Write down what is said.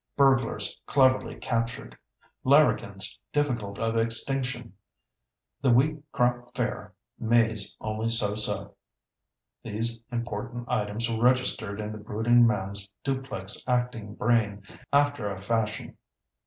Burglars cleverly captured. Larrikins difficult of extinction. The wheat crop fair, maize only so so. These important items were registered in the brooding man's duplex acting brain after a fashion.